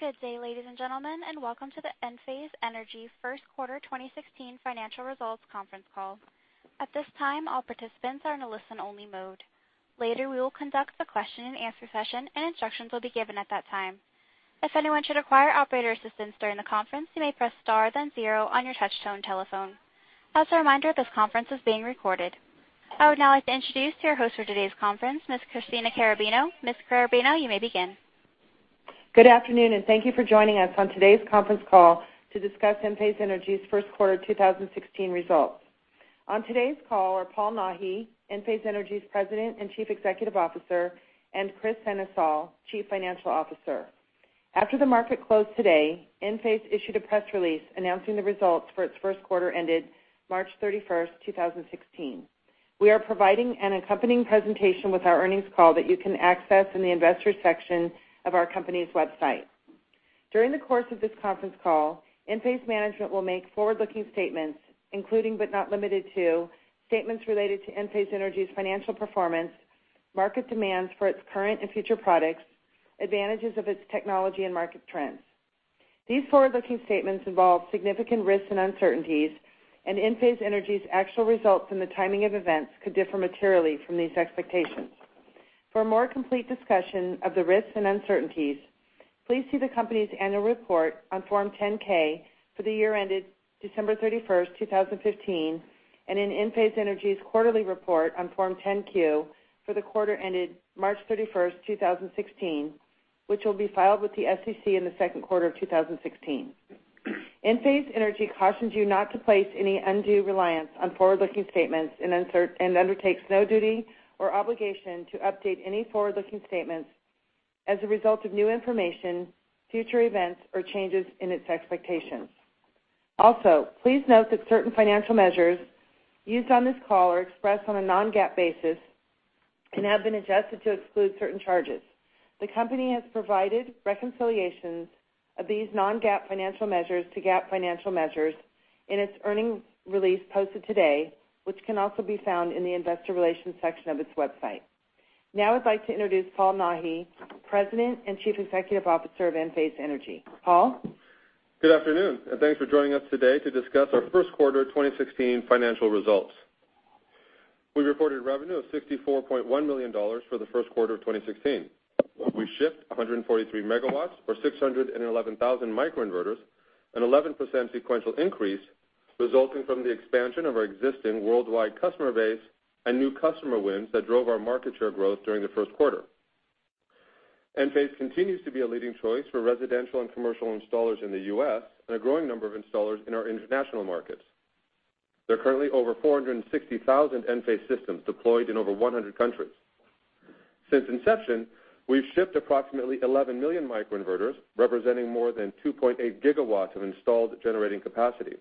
Good day, ladies and gentlemen, welcome to the Enphase Energy first quarter 2016 financial results conference call. At this time, all participants are in a listen-only mode. Later, we will conduct a question-and-answer session, and instructions will be given at that time. If anyone should require operator assistance during the conference, you may press star then zero on your touchtone telephone. As a reminder, this conference is being recorded. I would now like to introduce your host for today's conference, Ms. Christina Karrabino. Ms. Karrabino, you may begin. Good afternoon, thank you for joining us on today's conference call to discuss Enphase Energy's first quarter 2016 results. On today's call are Paul Nahi, Enphase Energy's President and Chief Executive Officer, and Kris Sennesael, Chief Financial Officer. After the market closed today, Enphase issued a press release announcing the results for its first quarter ended March 31st, 2016. We are providing an accompanying presentation with our earnings call that you can access in the Investors section of our company's website. During the course of this conference call, Enphase management will make forward-looking statements, including, but not limited to, statements related to Enphase Energy's financial performance, market demands for its current and future products, advantages of its technology, and market trends. These forward-looking statements involve significant risks and uncertainties. Enphase Energy's actual results and the timing of events could differ materially from these expectations. For a more complete discussion of the risks and uncertainties, please see the company's annual report on Form 10-K for the year ended December 31st, 2015, and in Enphase Energy's quarterly report on Form 10-Q for the quarter ended March 31st, 2016, which will be filed with the SEC in the second quarter of 2016. Enphase Energy cautions you not to place any undue reliance on forward-looking statements and undertakes no duty or obligation to update any forward-looking statements as a result of new information, future events, or changes in its expectations. Also, please note that certain financial measures used on this call are expressed on a non-GAAP basis and have been adjusted to exclude certain charges. The company has provided reconciliations of these non-GAAP financial measures to GAAP financial measures in its earnings release posted today, which can also be found in the Investor Relations section of its website. Now I'd like to introduce Paul Nahi, President and Chief Executive Officer of Enphase Energy. Paul? Good afternoon, and thanks for joining us today to discuss our first quarter 2016 financial results. We reported revenue of $64.1 million for the first quarter of 2016. We shipped 143 megawatts or 611,000 microinverters, an 11% sequential increase resulting from the expansion of our existing worldwide customer base and new customer wins that drove our market share growth during the first quarter. Enphase continues to be a leading choice for residential and commercial installers in the U.S. and a growing number of installers in our international markets. There are currently over 460,000 Enphase systems deployed in over 100 countries. Since inception, we've shipped approximately 11 million microinverters, representing more than 2.8 gigawatts of installed generating capacity.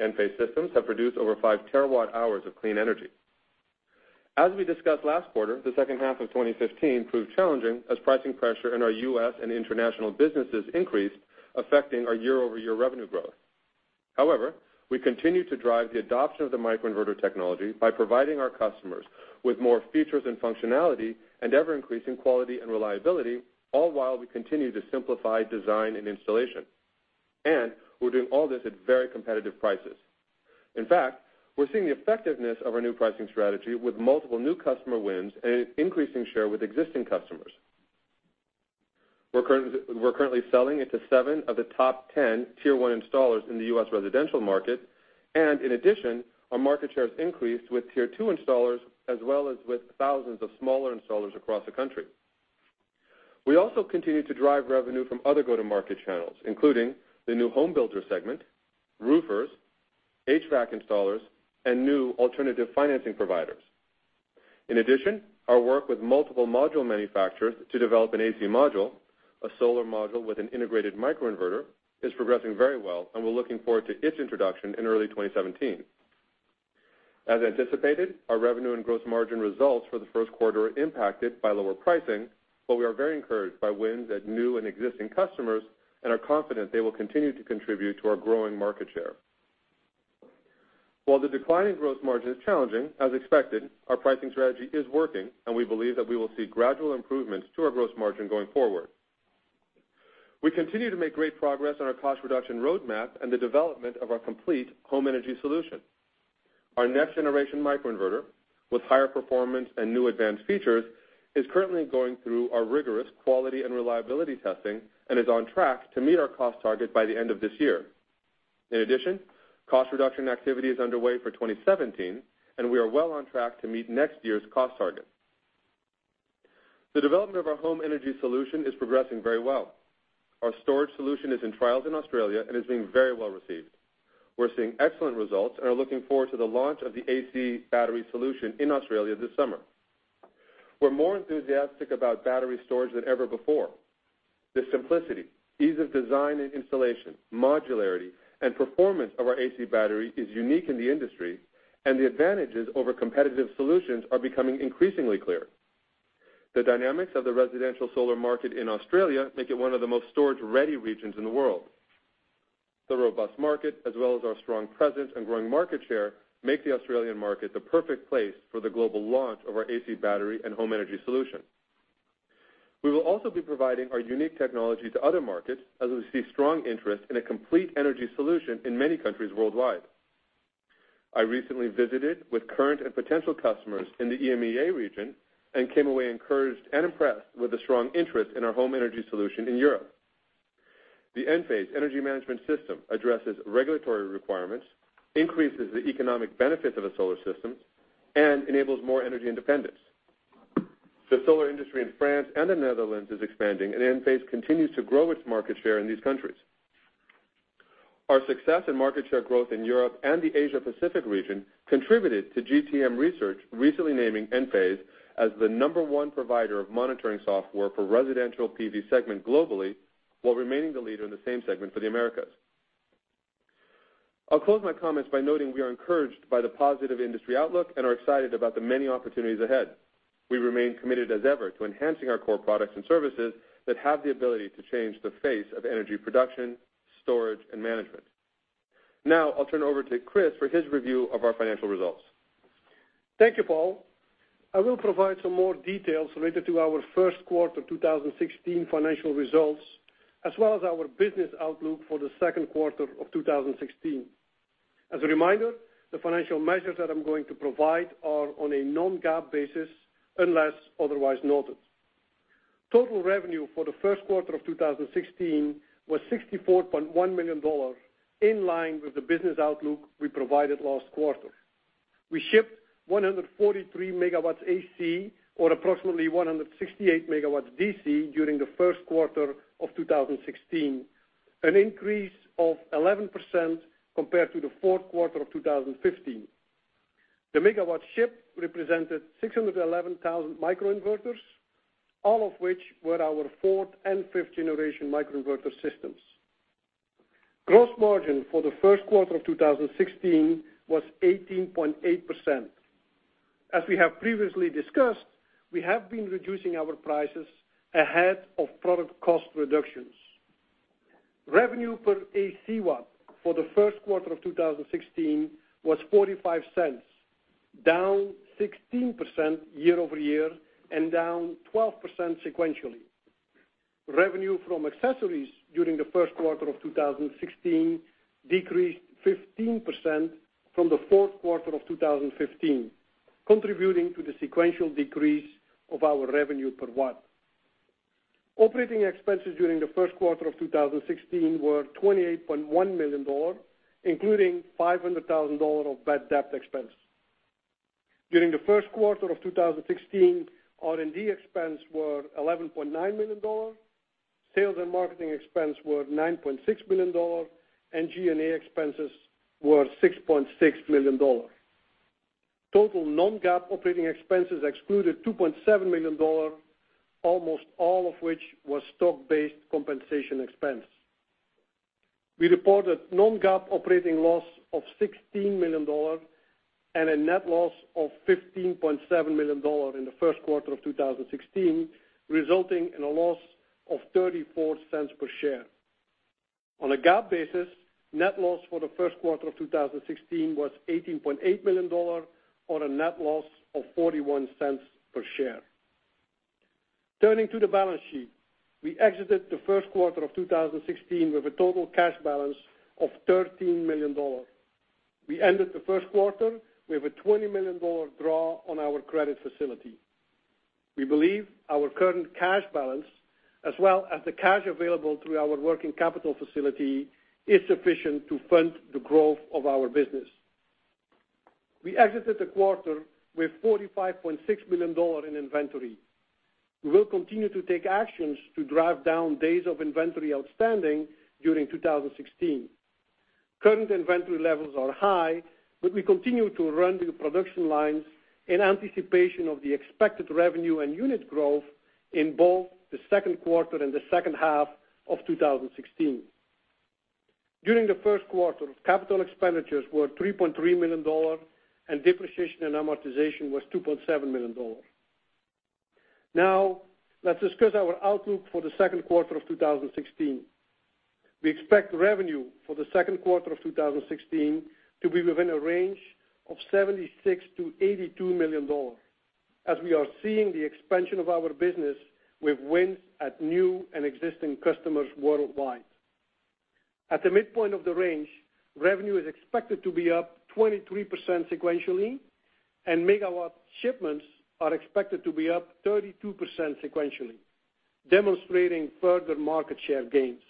Enphase systems have produced over 5 terawatt-hours of clean energy. As we discussed last quarter, the second half of 2015 proved challenging as pricing pressure in our U.S. and international businesses increased, affecting our year-over-year revenue growth. However, we continue to drive the adoption of the microinverter technology by providing our customers with more features and functionality and ever-increasing quality and reliability, all while we continue to simplify design and installation. We're doing all this at very competitive prices. In fact, we're seeing the effectiveness of our new pricing strategy with multiple new customer wins and an increasing share with existing customers. We're currently selling into 7 of the top 10 tier-1 installers in the U.S. residential market, and in addition, our market share has increased with tier-2 installers as well as with thousands of smaller installers across the country. We also continue to drive revenue from other go-to-market channels, including the new home builder segment, roofers, HVAC installers, and new alternative financing providers. In addition, our work with multiple module manufacturers to develop an AC Module, a solar module with an integrated microinverter, is progressing very well, and we're looking forward to its introduction in early 2017. As anticipated, our revenue and gross margin results for the first quarter are impacted by lower pricing, but we are very encouraged by wins at new and existing customers and are confident they will continue to contribute to our growing market share. While the decline in gross margin is challenging, as expected, our pricing strategy is working, and we believe that we will see gradual improvements to our gross margin going forward. We continue to make great progress on our cost reduction roadmap and the development of our complete home energy solution. Our next-generation microinverter, with higher performance and new advanced features, is currently going through our rigorous quality and reliability testing and is on track to meet our cost target by the end of this year. In addition, cost reduction activity is underway for 2017, and we are well on track to meet next year's cost target. The development of our home energy solution is progressing very well. Our storage solution is in trials in Australia and is being very well received. We're seeing excellent results and are looking forward to the launch of the AC Battery solution in Australia this summer. We're more enthusiastic about battery storage than ever before. The simplicity, ease of design and installation, modularity, and performance of our AC Battery is unique in the industry, and the advantages over competitive solutions are becoming increasingly clear. The dynamics of the residential solar market in Australia make it one of the most storage-ready regions in the world. The robust market, as well as our strong presence and growing market share, make the Australian market the perfect place for the global launch of our AC Battery and home energy solution. We will also be providing our unique technology to other markets, as we see strong interest in a complete energy solution in many countries worldwide. I recently visited with current and potential customers in the EMEA region and came away encouraged and impressed with the strong interest in our home energy solution in Europe. The Enphase Energy System addresses regulatory requirements, increases the economic benefits of a solar system, and enables more energy independence. The solar industry in France and the Netherlands is expanding, and Enphase continues to grow its market share in these countries. Our success and market share growth in Europe and the Asia Pacific region contributed to GTM Research recently naming Enphase as the number one provider of monitoring software for residential PV segment globally, while remaining the leader in the same segment for the Americas. I'll close my comments by noting we are encouraged by the positive industry outlook and are excited about the many opportunities ahead. We remain committed as ever to enhancing our core products and services that have the ability to change the face of energy production, storage, and management. I'll turn over to Kris for his review of our financial results. Thank you, Paul. I will provide some more details related to our first quarter 2016 financial results, as well as our business outlook for the second quarter of 2016. As a reminder, the financial measures that I'm going to provide are on a non-GAAP basis unless otherwise noted. Total revenue for the first quarter of 2016 was $64.1 million, in line with the business outlook we provided last quarter. We shipped 143 megawatts AC, or approximately 168 megawatts DC, during the first quarter of 2016, an increase of 11% compared to the fourth quarter of 2015. The megawatt shipped represented 611,000 microinverters, all of which were our fourth and fifth generation microinverter systems. Gross margin for the first quarter of 2016 was 18.8%. As we have previously discussed, we have been reducing our prices ahead of product cost reductions. Revenue per AC watt for the first quarter of 2016 was $0.45, down 16% year-over-year and down 12% sequentially. Revenue from accessories during the first quarter of 2016 decreased 15% from the fourth quarter of 2015, contributing to the sequential decrease of our revenue per watt. Operating expenses during the first quarter of 2016 were $28.1 million, including $500,000 of bad debt expense. During the first quarter of 2016, R&D expense were $11.9 million, sales and marketing expense were $9.6 million, and G&A expenses were $6.6 million. Total non-GAAP operating expenses excluded $2.7 million, almost all of which was stock-based compensation expense. We reported non-GAAP operating loss of $16 million and a net loss of $15.7 million in the first quarter of 2016, resulting in a loss of $0.34 per share. On a GAAP basis, net loss for the first quarter of 2016 was $18.8 million, or a net loss of $0.41 per share. Turning to the balance sheet, we exited the first quarter of 2016 with a total cash balance of $13 million. We ended the first quarter with a $20 million draw on our credit facility. We believe our current cash balance, as well as the cash available through our working capital facility, is sufficient to fund the growth of our business. We exited the quarter with $45.6 million in inventory. We will continue to take actions to drive down days of inventory outstanding during 2016. Current inventory levels are high. We continue to run the production lines in anticipation of the expected revenue and unit growth in both the second quarter and the second half of 2016. During the first quarter, capital expenditures were $3.3 million. Depreciation and amortization was $2.7 million. Now, let's discuss our outlook for the second quarter of 2016. We expect revenue for the second quarter of 2016 to be within a range of $76 million-$82 million, as we are seeing the expansion of our business with wins at new and existing customers worldwide. At the midpoint of the range, revenue is expected to be up 23% sequentially. Megawatt shipments are expected to be up 32% sequentially, demonstrating further market share gains.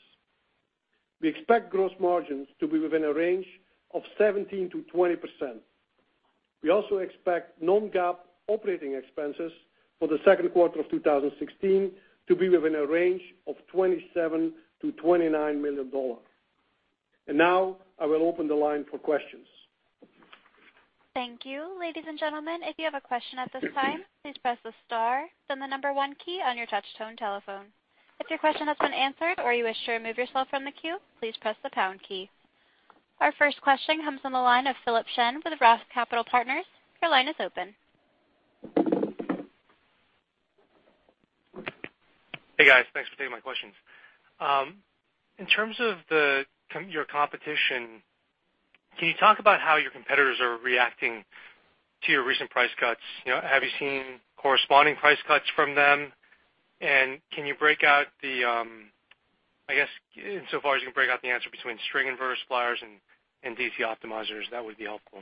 We expect gross margins to be within a range of 17%-20%. We also expect non-GAAP operating expenses for the second quarter of 2016 to be within a range of $27 million-$29 million. Now, I will open the line for questions. Thank you. Ladies and gentlemen, if you have a question at this time, please press the star, then the number 1 key on your touch-tone telephone. If your question has been answered or you wish to remove yourself from the queue, please press the pound key. Our first question comes on the line of Philip Shen with ROTH Capital Partners. Your line is open. Hey guys, thanks for taking my questions. In terms of your competition, can you talk about how your competitors are reacting to your recent price cuts? Have you seen corresponding price cuts from them? Can you break out the, I guess insofar as you can break out the answer between string inverters, microinverters, and DC optimizers, that would be helpful.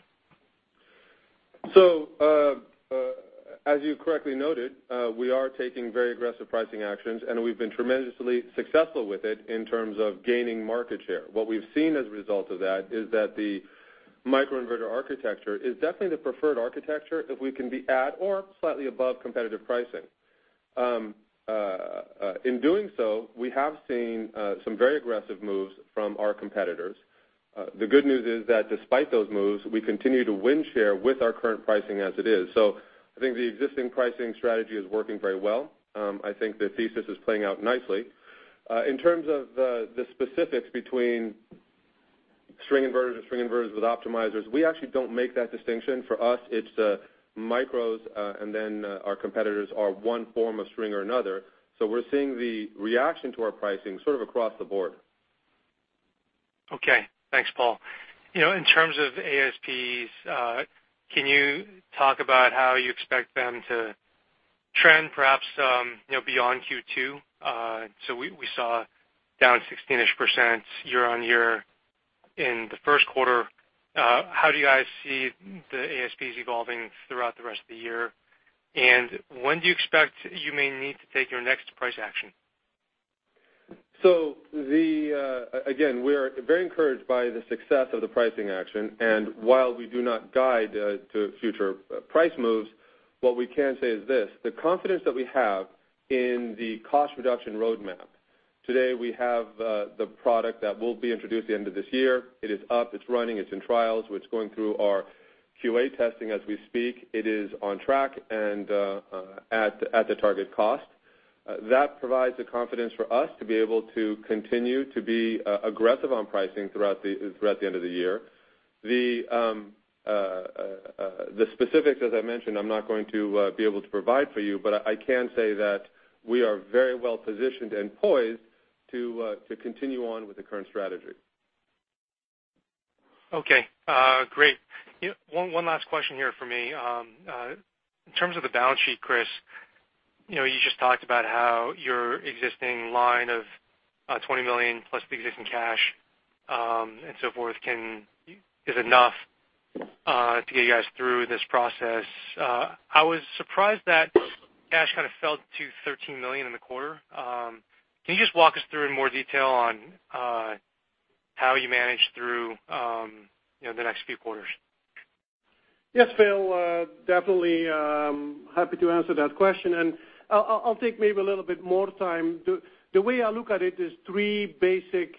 As you correctly noted, we are taking very aggressive pricing actions, and we've been tremendously successful with it in terms of gaining market share. What we've seen as a result of that is that the microinverter architecture is definitely the preferred architecture if we can be at or slightly above competitive pricing. In doing so, we have seen some very aggressive moves from our competitors. The good news is that despite those moves, we continue to win share with our current pricing as it is. I think the existing pricing strategy is working very well. I think the thesis is playing out nicely. In terms of the specifics between string inverters and string inverters with optimizers, we actually don't make that distinction. For us, it's the micros, and then our competitors are one form of string or another. We're seeing the reaction to our pricing sort of across the board. Okay. Thanks, Paul. In terms of ASPs, can you talk about how you expect them to trend, perhaps beyond Q2? We saw down 16-ish% year-over-year in the first quarter. How do you guys see the ASPs evolving throughout the rest of the year? When do you expect you may need to take your next price action? Again, we are very encouraged by the success of the pricing action, and while we do not guide to future price moves, what we can say is this: the confidence that we have in the cost reduction roadmap. Today, we have the product that will be introduced at the end of this year. It is up, it's running, it's in trials. It's going through our QA testing as we speak. It is on track and at the target cost. That provides the confidence for us to be able to continue to be aggressive on pricing throughout the end of the year. The specifics, as I mentioned, I'm not going to be able to provide for you, but I can say that we are very well-positioned and poised to continue on with the current strategy. Okay. Great. One last question here from me. In terms of the balance sheet, Kris, you just talked about how your existing line of $20 million plus the existing cash, and so forth is enough to get you guys through this process. I was surprised that cash kind of fell to $13 million in the quarter. Can you just walk us through in more detail on how you manage through the next few quarters? Yes, Phil, definitely. Happy to answer that question. I'll take maybe a little bit more time. The way I look at it is three basic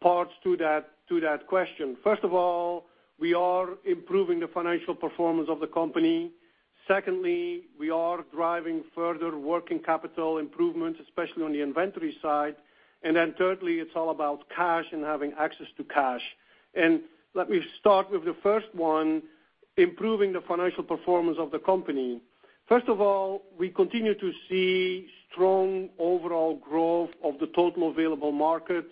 parts to that question. First of all, we are improving the financial performance of the company. Secondly, we are driving further working capital improvements, especially on the inventory side. Thirdly, it's all about cash and having access to cash. Let me start with the first one, improving the financial performance of the company. First of all, we continue to see strong overall growth of the total available market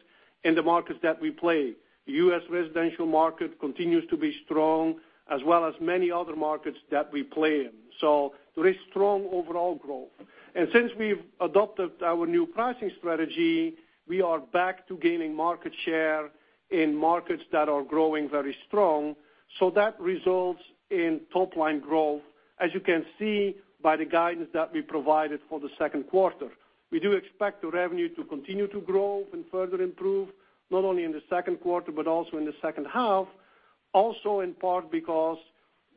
in the markets that we play. The U.S. residential market continues to be strong, as well as many other markets that we play in. There is strong overall growth. Since we've adopted our new pricing strategy, we are back to gaining market share in markets that are growing very strong, that results in top-line growth, as you can see by the guidance that we provided for the second quarter. We do expect the revenue to continue to grow and further improve, not only in the second quarter, but also in the second half. Also in part because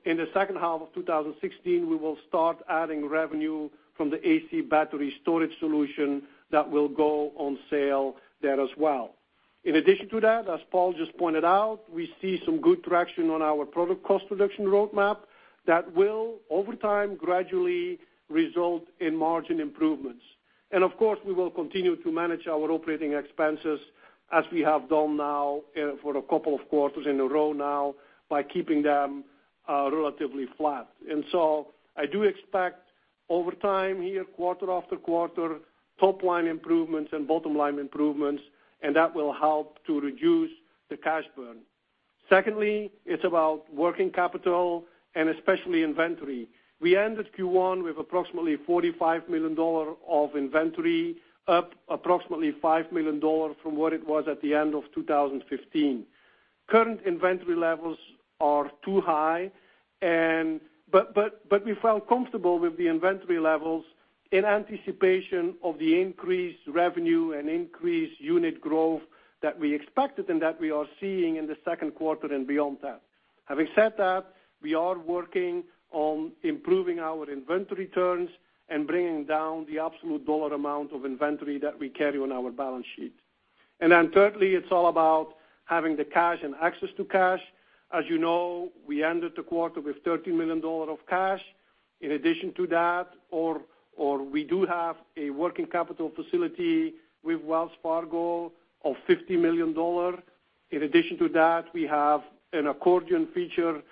in the second half of 2016, we will start adding revenue from the AC Battery storage solution that will go on sale there as well. In addition to that, as Paul just pointed out, we see some good traction on our product cost reduction roadmap that will, over time, gradually result in margin improvements. Of course, we will continue to manage our operating expenses as we have done now for a couple of quarters in a row now by keeping them relatively flat. I do expect over time here, quarter after quarter, top-line improvements and bottom-line improvements, and that will help to reduce the cash burn. Secondly, it's about working capital and especially inventory. We ended Q1 with approximately $45 million of inventory, up approximately $5 million from what it was at the end of 2015. Current inventory levels are too high, but we felt comfortable with the inventory levels in anticipation of the increased revenue and increased unit growth that we expected and that we are seeing in the second quarter and beyond that. Having said that, we are working on improving our inventory turns and bringing down the absolute dollar amount of inventory that we carry on our balance sheet. Thirdly, it's all about having the cash and access to cash. As you know, we ended the quarter with $30 million of cash. In addition to that, we do have a working capital facility with Wells Fargo of $50 million. In addition to that, we have an accordion feature of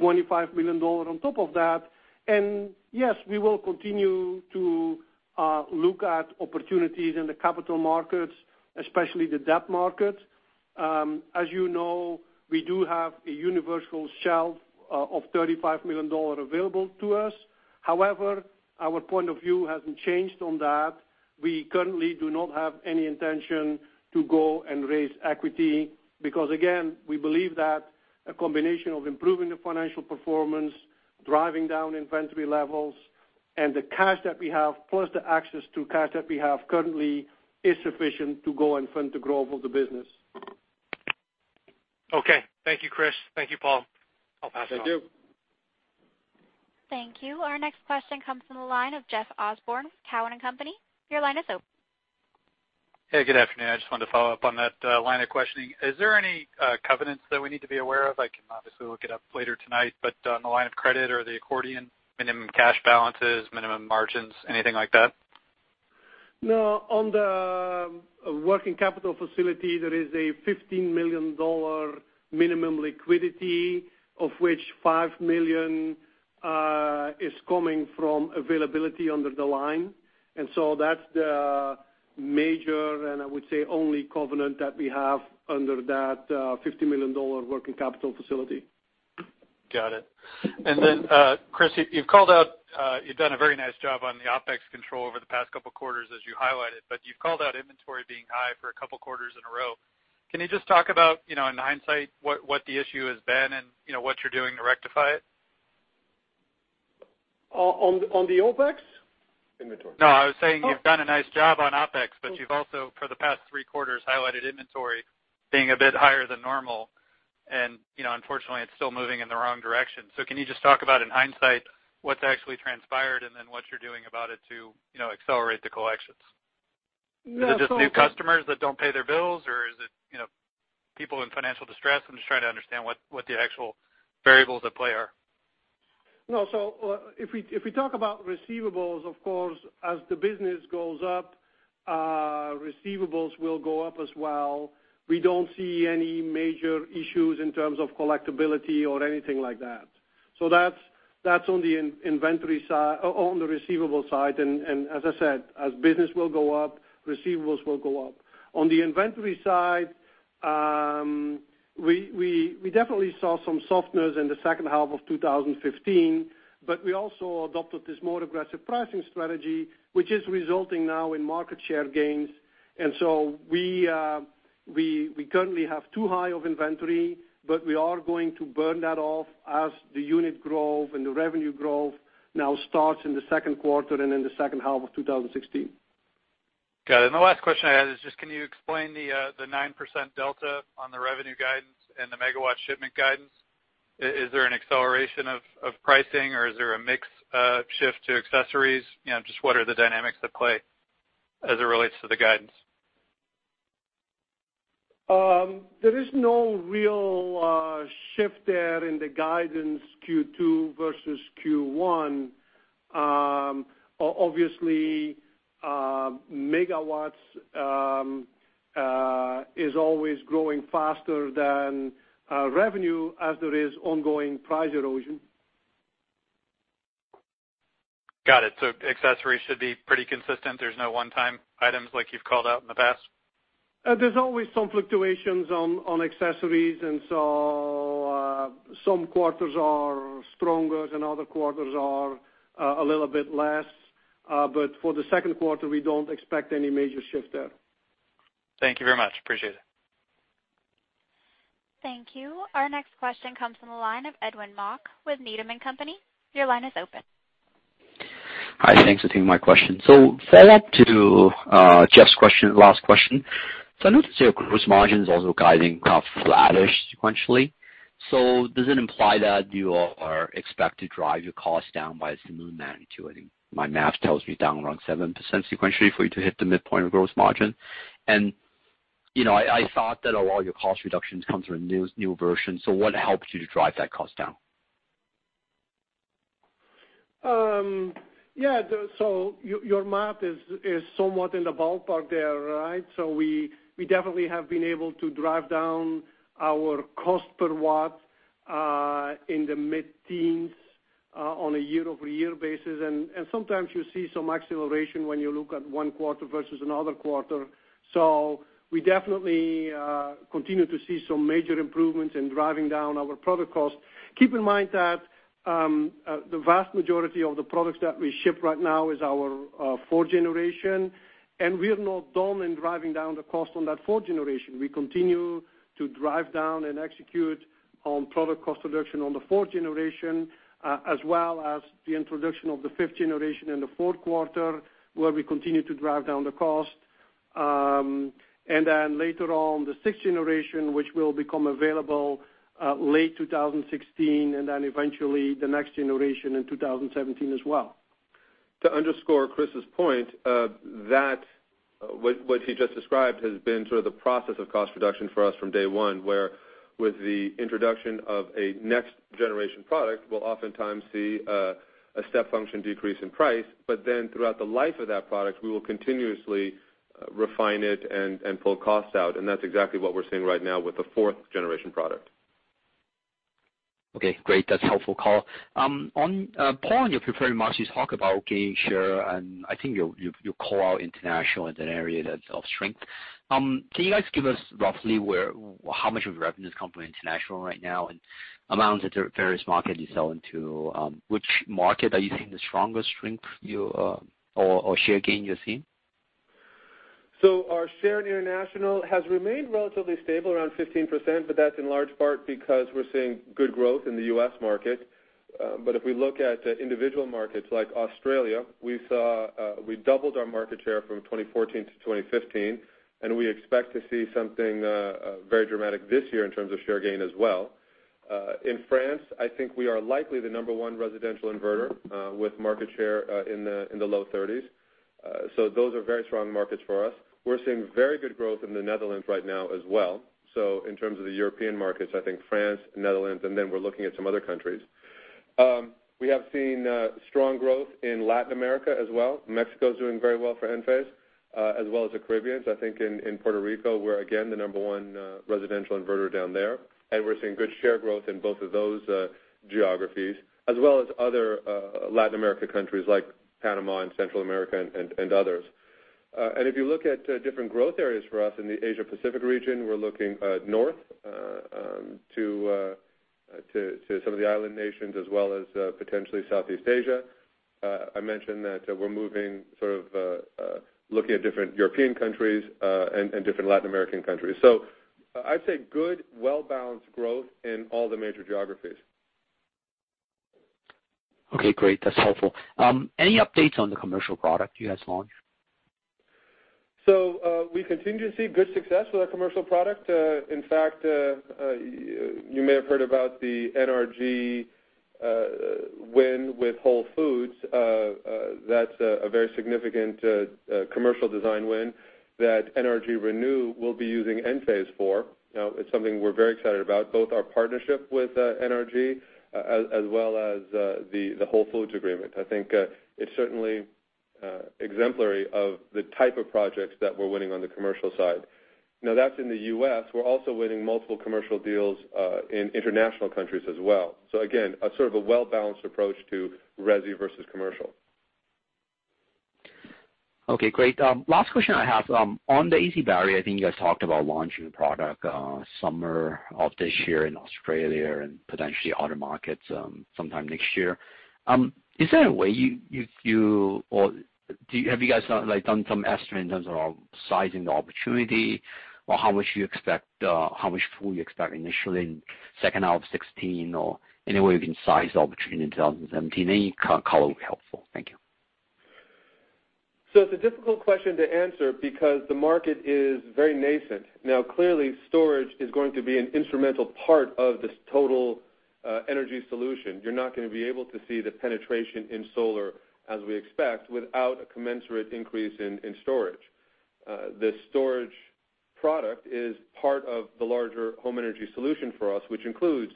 $25 million on top of that. Yes, we will continue to look at opportunities in the capital markets, especially the debt market. As you know, we do have a universal shelf of $35 million available to us. However, our point of view hasn't changed on that. We currently do not have any intention to go and raise equity because again, we believe that a combination of improving the financial performance, driving down inventory levels, and the cash that we have, plus the access to cash that we have currently, is sufficient to go and fund the growth of the business. Okay. Thank you, Kris. Thank you, Paul. I'll pass it on. Thank you. Thank you. Our next question comes from the line of Jeff Osborne with Cowen and Company. Your line is open. Hey, good afternoon. I just wanted to follow up on that line of questioning. Is there any covenants that we need to be aware of? I can obviously look it up later tonight, but on the line of credit or the accordion minimum cash balances, minimum margins, anything like that? No, on the working capital facility, there is a $15 million minimum liquidity, of which $5 million is coming from availability under the line. So that's the major, and I would say, only covenant that we have under that $50 million working capital facility. Got it. Then, Kris, you've done a very nice job on the OpEx control over the past couple of quarters, as you highlighted, but you've called out inventory being high for a couple of quarters in a row. Can you just talk about, in hindsight, what the issue has been and what you're doing to rectify it? On the OpEx? Inventory. No, I was saying you've done a nice job on OpEx, but you've also, for the past three quarters, highlighted inventory being a bit higher than normal, and unfortunately, it's still moving in the wrong direction. Can you just talk about, in hindsight, what's actually transpired and then what you're doing about it to accelerate the collections? Yeah. Is it just new customers that don't pay their bills or is it people in financial distress? I'm just trying to understand what the actual variables at play are. No. If we talk about receivables, of course, as the business goes up, receivables will go up as well. We don't see any major issues in terms of collectibility or anything like that. That's on the receivable side. As I said, as business will go up, receivables will go up. On the inventory side, we definitely saw some softness in the second half of 2015, but we also adopted this more aggressive pricing strategy, which is resulting now in market share gains. We currently have too high of inventory, but we are going to burn that off as the unit growth and the revenue growth now starts in the second quarter and in the second half of 2016. Got it. The last question I had is just can you explain the 9% delta on the revenue guidance and the megawatt shipment guidance? Is there an acceleration of pricing or is there a mix shift to accessories? Just what are the dynamics at play as it relates to the guidance? There is no real shift there in the guidance Q2 versus Q1. Obviously, megawatts is always growing faster than revenue as there is ongoing price erosion. Got it. Accessories should be pretty consistent. There's no one-time items like you've called out in the past? There's always some fluctuations on accessories, and so some quarters are stronger and other quarters are a little bit less. For the second quarter, we don't expect any major shift there. Thank you very much. Appreciate it. Thank you. Our next question comes from the line of Edwin Mok with Needham & Company. Your line is open. Hi. Thanks for taking my question. Follow-up to Jeff's last question. I noticed your gross margin is also guiding kind of flattish sequentially. Does it imply that you are expect to drive your cost down by a similar magnitude? I think my math tells me down around 7% sequentially for you to hit the midpoint of gross margin. I thought that a lot of your cost reductions come through a new version. What helps you to drive that cost down? Yeah. Your math is somewhat in the ballpark there, right? We definitely have been able to drive down our cost per watt, in the mid-teens, on a year-over-year basis. Sometimes you see some acceleration when you look at one quarter versus another quarter. We definitely continue to see some major improvements in driving down our product cost. Keep in mind that the vast majority of the products that we ship right now is our fourth generation, and we are not done in driving down the cost on that fourth generation. We continue to drive down and execute on product cost reduction on the fourth generation, as well as the introduction of the fifth generation in the fourth quarter, where we continue to drive down the cost. Later on, the sixth generation, which will become available late 2016, eventually the next generation in 2017 as well. To underscore Kris's point, what he just described has been sort of the process of cost reduction for us from day one, where with the introduction of a next-generation product, we'll oftentimes see a step function decrease in price. Throughout the life of that product, we will continuously refine it and pull costs out. That's exactly what we're seeing right now with the fourth-generation product. Okay, great. That's helpful, Paul. Paul, in your prepared remarks, you talk about gaining share, I think you call out international as an area that's of strength. Can you guys give us roughly how much of your revenues come from international right now, amounts at the various markets you sell into? Which market are you seeing the strongest strength or share gain you're seeing? Our share in international has remained relatively stable, around 15%, but that's in large part because we're seeing good growth in the U.S. market. If we look at individual markets like Australia, we doubled our market share from 2014 to 2015, and we expect to see something very dramatic this year in terms of share gain as well. In France, I think we are likely the number 1 residential inverter with market share in the low 30s. Those are very strong markets for us. We're seeing very good growth in the Netherlands right now as well. In terms of the European markets, I think France, Netherlands, and then we're looking at some other countries. We have seen strong growth in Latin America as well. Mexico is doing very well for Enphase, as well as the Caribbean. I think in Puerto Rico, we're again the number 1 residential inverter down there, and we're seeing good share growth in both of those geographies, as well as other Latin America countries like Panama and Central America and others. If you look at different growth areas for us in the Asia Pacific region, we're looking north to some of the island nations as well as potentially Southeast Asia. I mentioned that we're looking at different European countries and different Latin American countries. I'd say good, well-balanced growth in all the major geographies. Okay, great. That's helpful. Any updates on the commercial product you guys launched? We continue to see good success with our commercial product. In fact, you may have heard about the NRG win with Whole Foods. That's a very significant commercial design win that NRG Renew will be using Enphase for. Now, it's something we're very excited about, both our partnership with NRG as well as the Whole Foods agreement. I think it's certainly exemplary of the type of projects that we're winning on the commercial side. Now that's in the U.S. We're also winning multiple commercial deals in international countries as well. Again, a sort of a well-balanced approach to resi versus commercial. Okay, great. Last question I have. On the AC Battery, I think you guys talked about launching the product summer of this year in Australia and potentially other markets sometime next year. Is there a way or have you guys done some estimate in terms of sizing the opportunity, or how much pull you expect initially in second half of 2016 or any way we can size the opportunity in 2017? Any color would be helpful. Thank you. It's a difficult question to answer because the market is very nascent. Clearly, storage is going to be an instrumental part of this total energy solution. You're not going to be able to see the penetration in solar as we expect without a commensurate increase in storage. The storage product is part of the larger home energy solution for us, which includes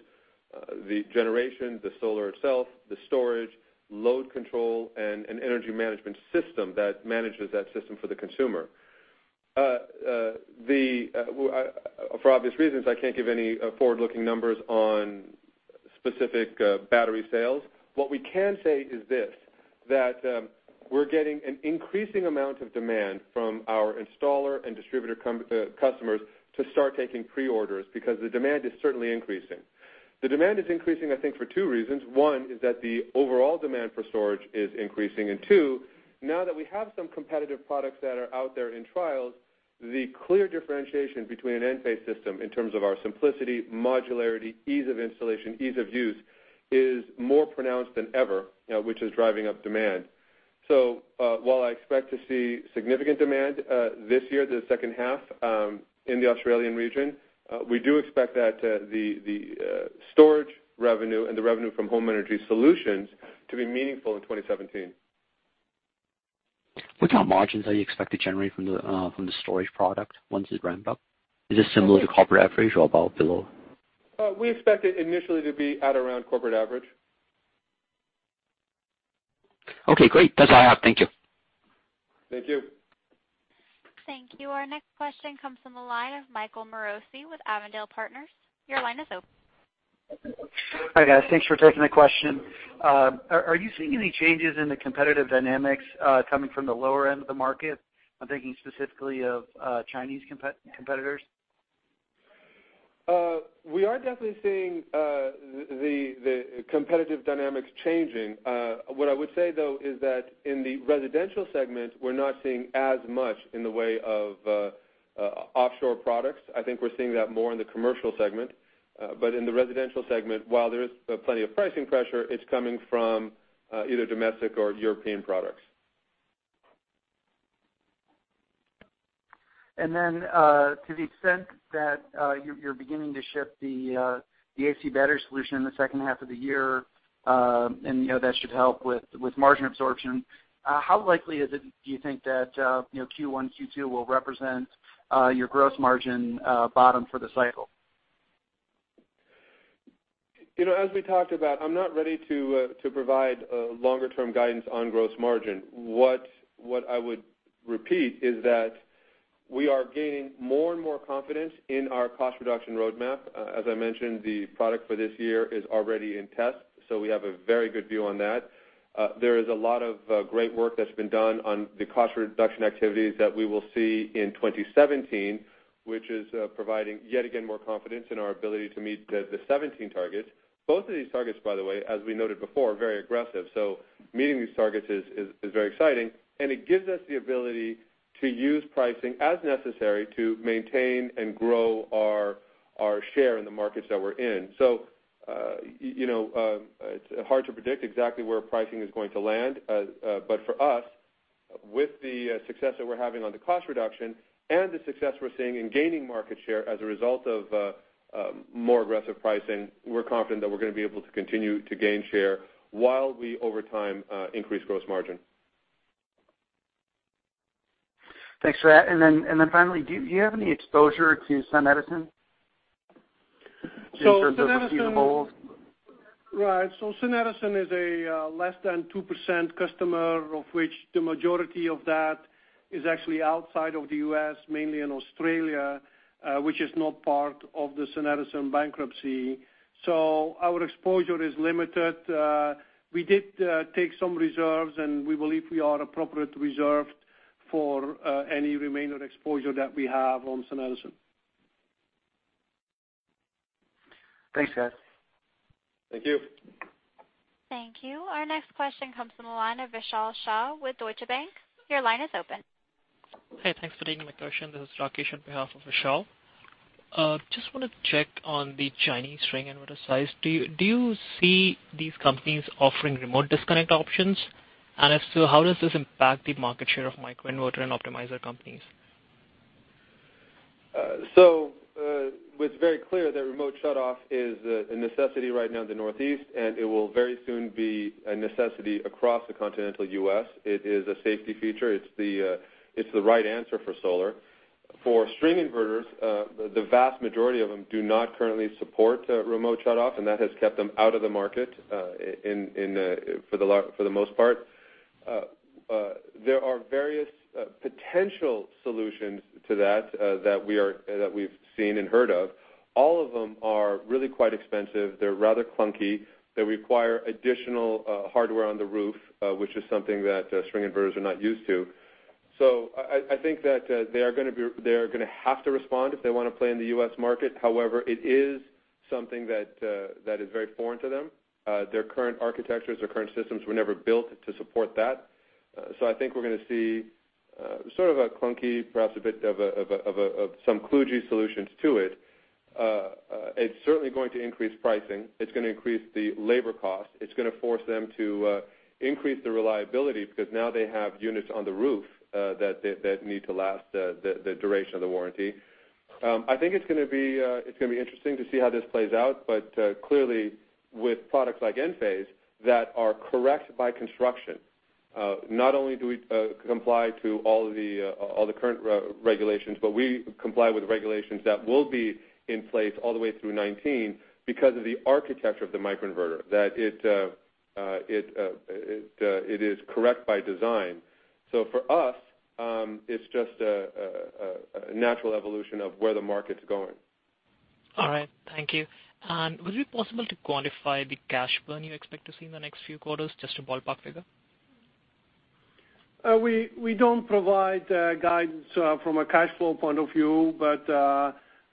the generation, the solar itself, the storage, load control, and an energy management system that manages that system for the consumer. For obvious reasons, I can't give any forward-looking numbers on specific battery sales. What we can say is this, that we're getting an increasing amount of demand from our installer and distributor customers to start taking pre-orders because the demand is certainly increasing. The demand is increasing, I think, for two reasons. One is that the overall demand for storage is increasing, and two, now that we have some competitive products that are out there in trials, the clear differentiation between an Enphase system in terms of our simplicity, modularity, ease of installation, ease of use is more pronounced than ever, which is driving up demand. While I expect to see significant demand this year, the second half in the Australian region, we do expect that the storage revenue and the revenue from home energy solutions to be meaningful in 2017. What kind of margins are you expect to generate from the storage product once it's ramped up? Is it similar to corporate average or about below? We expect it initially to be at around corporate average. Okay, great. That's all I have. Thank you. Thank you. Thank you. Our next question comes from the line of Michael Morosi with Avondale Partners. Your line is open. Hi, guys. Thanks for taking the question. Are you seeing any changes in the competitive dynamics coming from the lower end of the market? I'm thinking specifically of Chinese competitors. We are definitely seeing the competitive dynamics changing. What I would say, though, is that in the residential segment, we're not seeing as much in the way of offshore products. I think we're seeing that more in the commercial segment. In the residential segment, while there is plenty of pricing pressure, it's coming from either domestic or European products. To the extent that you're beginning to ship the AC Battery solution in the second half of the year, and that should help with margin absorption, how likely is it, do you think that Q1, Q2 will represent your gross margin bottom for the cycle? As we talked about, I'm not ready to provide longer-term guidance on gross margin. What I would repeat is that we are gaining more and more confidence in our cost reduction roadmap. As I mentioned, the product for this year is already in test, so we have a very good view on that. There is a lot of great work that's been done on the cost reduction activities that we will see in 2017, which is providing, yet again, more confidence in our ability to meet the 2017 targets. Both of these targets, by the way, as we noted before, are very aggressive. Meeting these targets is very exciting, and it gives us the ability to use pricing as necessary to maintain and grow our share in the markets that we're in. It's hard to predict exactly where pricing is going to land. For us, with the success that we're having on the cost reduction and the success we're seeing in gaining market share as a result of more aggressive pricing, we're confident that we're going to be able to continue to gain share while we, over time, increase gross margin. Thanks for that. Finally, do you have any exposure to SunEdison in terms of key hold? Right. SunEdison is a less than 2% customer, of which the majority of that is actually outside of the U.S., mainly in Australia, which is not part of the SunEdison bankruptcy. Our exposure is limited. We did take some reserves, and we believe we are appropriately reserved for any remaining exposure that we have on SunEdison. Thanks, guys. Thank you. Thank you. Our next question comes from the line of Vishal Shah with Deutsche Bank. Your line is open. Hey, thanks for taking my question. This is Rakesh on behalf of Vishal. Just wanted to check on the Chinese string inverter size. Do you see these companies offering remote disconnect options? If so, how does this impact the market share of microinverter and optimizer companies? It's very clear that rapid shutdown is a necessity right now in the Northeast, and it will very soon be a necessity across the continental U.S. It is a safety feature. It's the right answer for solar. For string inverters, the vast majority of them do not currently support rapid shutdown, and that has kept them out of the market for the most part. There are various potential solutions to that we've seen and heard of. All of them are really quite expensive. They're rather clunky. They require additional hardware on the roof, which is something that string inverters are not used to. I think that they're going to have to respond if they want to play in the U.S. market. However, it is something that is very foreign to them. Their current architectures, their current systems were never built to support that. I think we're going to see sort of a clunky, perhaps a bit of some kludgy solutions to it. It's certainly going to increase pricing. It's going to increase the labor cost. It's going to force them to increase the reliability because now they have units on the roof that need to last the duration of the warranty. I think it's going to be interesting to see how this plays out, but clearly with products like Enphase that are correct by construction, not only do we comply to all the current regulations, but we comply with regulations that will be in place all the way through 2019 because of the architecture of the microinverter, that it is correct by design. For us, it's just a natural evolution of where the market's going. All right. Thank you. Would it be possible to quantify the cash burn you expect to see in the next few quarters? Just a ballpark figure. We don't provide guidance from a cash flow point of view,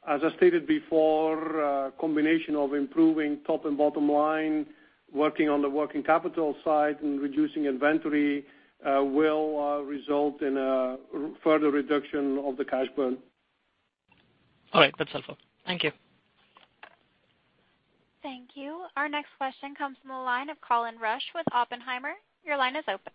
as I stated before, a combination of improving top and bottom line, working on the working capital side and reducing inventory will result in a further reduction of the cash burn. All right. That's helpful. Thank you. Thank you. Our next question comes from the line of Colin Rusch with Oppenheimer. Your line is open.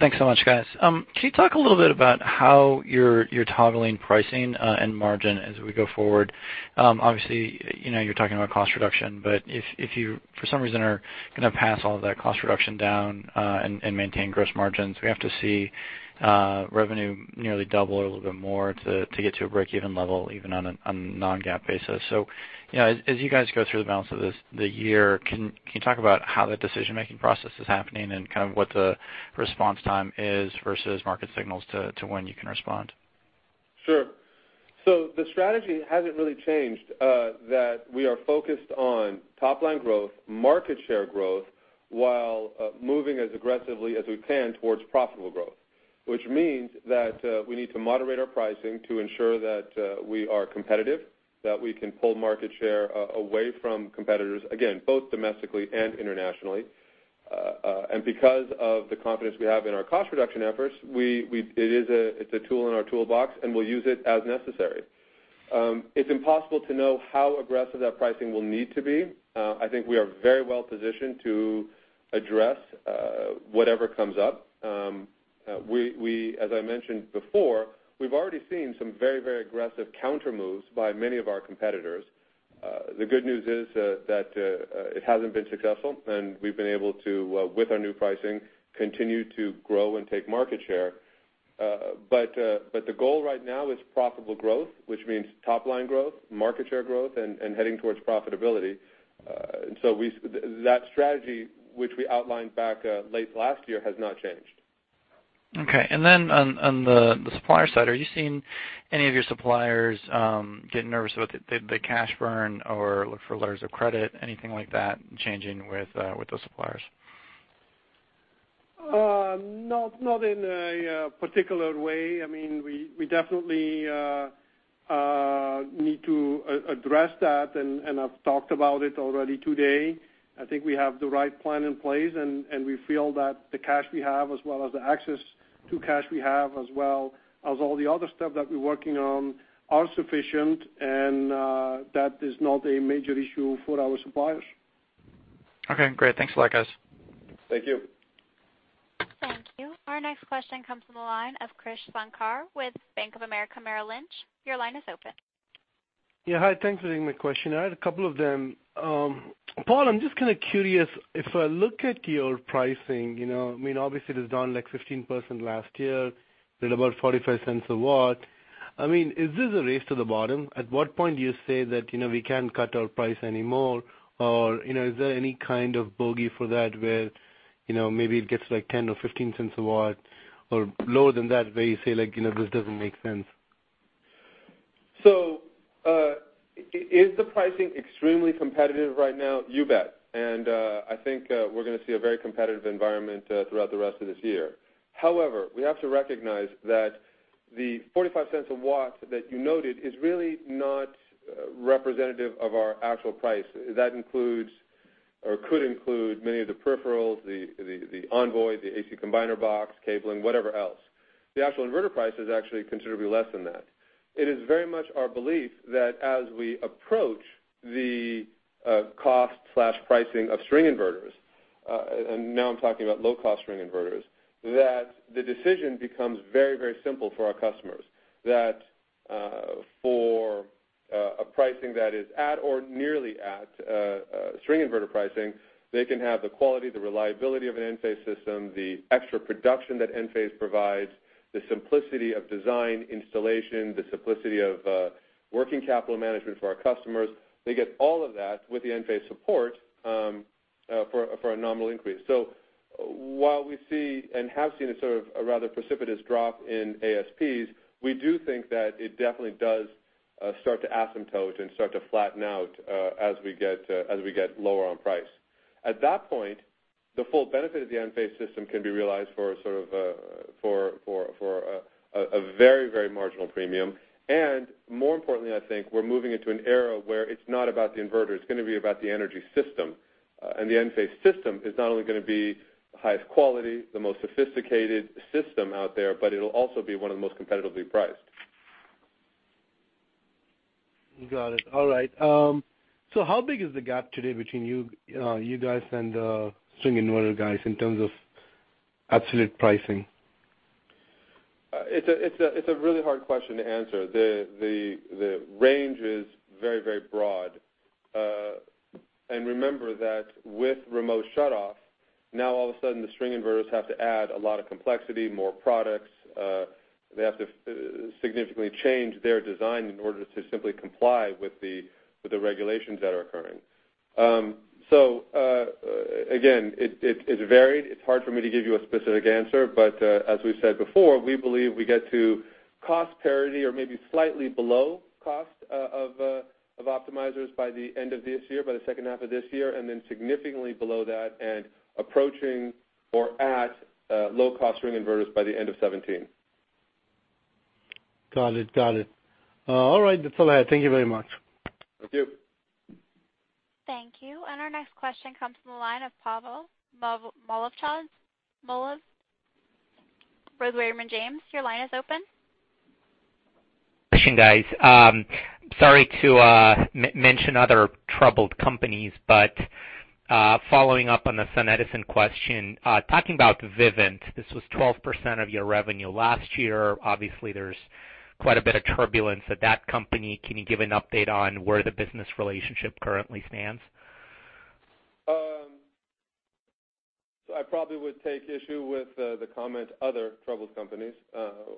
Thanks so much, guys. Can you talk a little bit about how you're toggling pricing and margin as we go forward? Obviously, you're talking about cost reduction, but if you, for some reason, are going to pass all that cost reduction down and maintain gross margins, we have to see revenue nearly double or a little bit more to get to a break-even level, even on a non-GAAP basis. As you guys go through the balance of the year, can you talk about how that decision-making process is happening and kind of what the response time is versus market signals to when you can respond? Sure. The strategy hasn't really changed, that we are focused on top-line growth, market share growth, while moving as aggressively as we can towards profitable growth. This means that we need to moderate our pricing to ensure that we are competitive, that we can pull market share away from competitors, again, both domestically and internationally. Because of the confidence we have in our cost reduction efforts, it's a tool in our toolbox, and we'll use it as necessary. It's impossible to know how aggressive that pricing will need to be. I think we are very well-positioned to address whatever comes up. As I mentioned before, we've already seen some very aggressive countermoves by many of our competitors. The good news is that it hasn't been successful, and we've been able to, with our new pricing, continue to grow and take market share. The goal right now is profitable growth, which means top-line growth, market share growth, and heading towards profitability. That strategy, which we outlined back late last year, has not changed. Okay, and then on the supplier side, are you seeing any of your suppliers get nervous about the cash burn or look for letters of credit, anything like that changing with those suppliers? Not in a particular way. We definitely need to address that, and I've talked about it already today. I think we have the right plan in place, and we feel that the cash we have, as well as the access to cash we have, as well as all the other stuff that we're working on, are sufficient and that is not a major issue for our suppliers. Okay, great. Thanks a lot, guys. Thank you. Thank you. Our next question comes from the line of Krish Sankar with Bank of America Merrill Lynch. Your line is open. Yeah, hi. Thanks for taking my question. I had a couple of them. Paul, I'm just kind of curious if I look at your pricing, obviously it is down like 15% last year, did about $0.45 a watt. Is this a race to the bottom? At what point do you say that we can't cut our price anymore? Or is there any kind of bogey for that where maybe it gets to $0.10 or $0.15 a watt or lower than that where you say, "This doesn't make sense"? Is the pricing extremely competitive right now? You bet. I think we're going to see a very competitive environment throughout the rest of this year. However, we have to recognize that the $0.45 a watt that you noted is really not representative of our actual price. That includes or could include many of the peripherals, the Envoy, the AC Combiner Box, cabling, whatever else. The actual inverter price is actually considerably less than that. It is very much our belief that as we approach the cost/pricing of string inverters, and now I'm talking about low-cost string inverters, that the decision becomes very simple for our customers. That for a pricing that is at or nearly at string inverter pricing, they can have the quality, the reliability of an Enphase system, the extra production that Enphase provides, the simplicity of design installation, the simplicity of working capital management for our customers. They get all of that with the Enphase support for a nominal increase. While we see and have seen a sort of a rather precipitous drop in ASPs, we do think that it definitely does start to asymptote and start to flatten out as we get lower on price. At that point, the full benefit of the Enphase system can be realized for a very marginal premium. More importantly, I think we're moving into an era where it's not about the inverter, it's going to be about the energy system. The Enphase system is not only going to be the highest quality, the most sophisticated system out there, but it'll also be one of the most competitively priced. Got it. All right. How big is the gap today between you guys and the string inverter guys in terms of absolute pricing? It's a really hard question to answer. The range is very broad. Remember that with rapid shutdown, now all of a sudden the string inverters have to add a lot of complexity, more products. They have to significantly change their design in order to simply comply with the regulations that are occurring. Again, it's varied. It's hard for me to give you a specific answer, but as we've said before, we believe we get to cost parity or maybe slightly below cost of optimizers by the end of this year, by the second half of this year, then significantly below that and approaching or at low-cost string inverters by the end of 2017. Got it. All right. That's all I had. Thank you very much. Thank you. Thank you. Our next question comes from the line of Pavel Molchanov, Raymond James. Your line is open. Question, guys. Sorry to mention other troubled companies, following up on the SunEdison question, talking about Vivint, this was 12% of your revenue last year. Obviously, there's quite a bit of turbulence at that company. Can you give an update on where the business relationship currently stands? I probably would take issue with the comment, other troubled companies.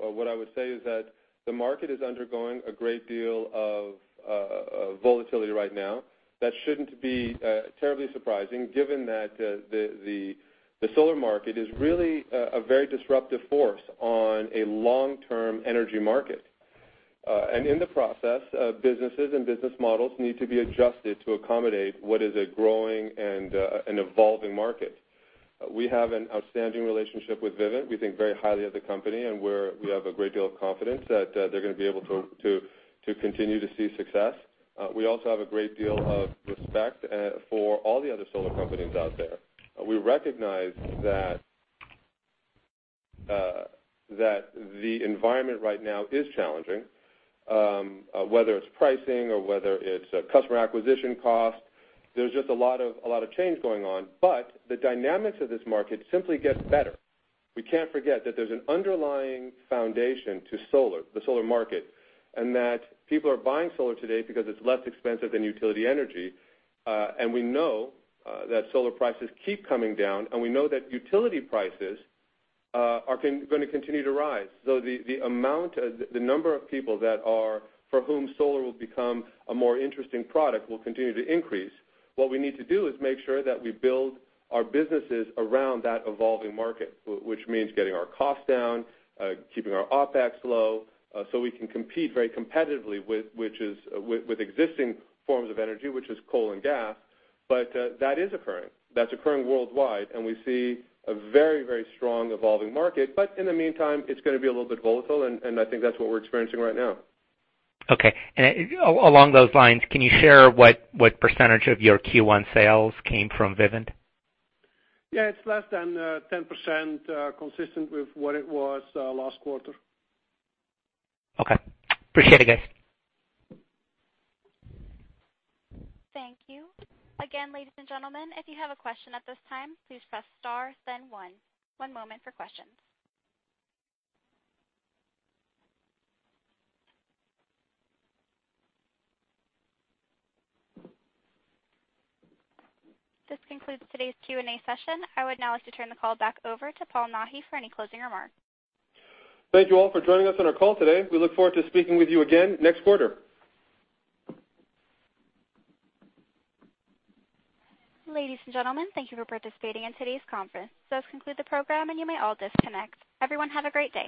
What I would say is that the market is undergoing a great deal of volatility right now. That shouldn't be terribly surprising given that the solar market is really a very disruptive force on a long-term energy market. In the process, businesses and business models need to be adjusted to accommodate what is a growing and an evolving market. We have an outstanding relationship with Vivint. We think very highly of the company, and we have a great deal of confidence that they're going to be able to continue to see success. We also have a great deal of respect for all the other solar companies out there. We recognize that the environment right now is challenging, whether it's pricing or whether it's customer acquisition cost. There's just a lot of change going on. The dynamics of this market simply get better. We can't forget that there's an underlying foundation to the solar market, and people are buying solar today because it's less expensive than utility energy. We know that solar prices keep coming down, and we know that utility prices are going to continue to rise. The number of people for whom solar will become a more interesting product will continue to increase. What we need to do is make sure that we build our businesses around that evolving market, which means getting our costs down, keeping our OpEx low, so we can compete very competitively with existing forms of energy, which is coal and gas. That is occurring. That's occurring worldwide, and we see a very strong evolving market. In the meantime, it's going to be a little bit volatile, and I think that's what we're experiencing right now. Okay. Along those lines, can you share what percentage of your Q1 sales came from Vivint? Yeah, it's less than 10%, consistent with what it was last quarter. Okay. Appreciate it, guys. Thank you. Ladies and gentlemen, if you have a question at this time, please press star then one. One moment for questions. This concludes today's Q&A session. I would now like to turn the call back over to Paul Nahi for any closing remarks. Thank you all for joining us on our call today. We look forward to speaking with you again next quarter. Ladies and gentlemen, thank you for participating in today's conference. This concludes the program, and you may all disconnect. Everyone have a great day.